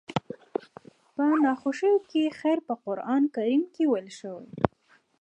په ناخوښو کې خير په قرآن کريم کې ويل شوي.